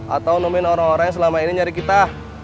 atau nemenin orang orang yang selama ini nyari kita